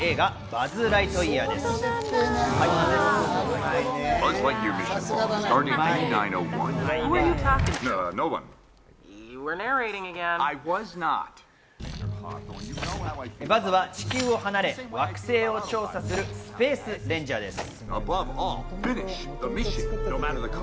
バズは地球を離れ、惑星を調査するスペース・レンジャーです。